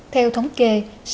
theo thống kê